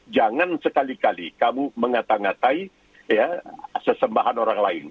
jangan sekali kali kamu mengatangatai sesembahan orang lain